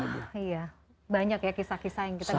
banyak ya kisah kisah yang kita bisa pelan pelan